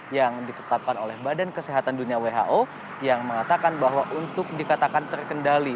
yang ditetapkan oleh badan kesehatan dunia who yang mengatakan bahwa untuk dikatakan terkendali